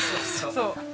そうそう。